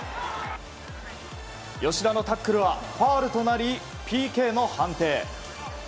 吉田のタックルはファウルとなりＰＫの判定。